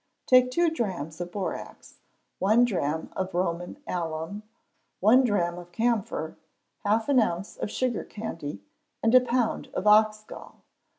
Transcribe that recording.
Take two drachms of borax, one drachm of Roman alum, one drachm of camphor, half an ounce of sugar candy, and a pound of ox gall.